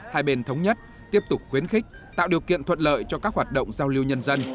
hai bên thống nhất tiếp tục khuyến khích tạo điều kiện thuận lợi cho các hoạt động giao lưu nhân dân